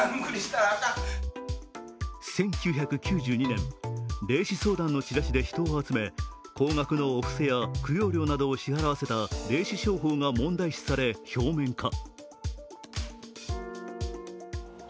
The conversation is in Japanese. １９９２年、霊視相談のチラシで人を集め高額のお布施や、扶養料などの霊視商法が問題視され、表面化。